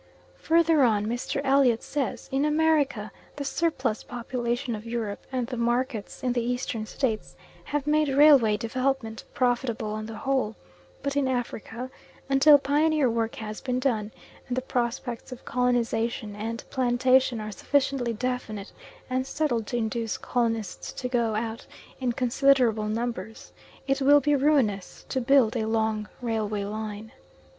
Further on Mr. Elliot says: "In America the surplus population of Europe, and the markets in the Eastern States have made railway development profitable on the whole, but in Africa, until pioneer work has been done, and the prospects of colonisation and plantation are sufficiently definite and settled to induce colonists to go out in considerable numbers, it will be ruinous to build a long railway line."